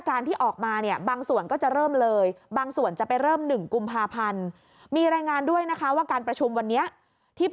ปรับระดับพื้นที่สี